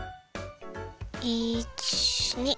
１２。